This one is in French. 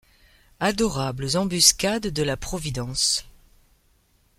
Adorables embuscades de la providence !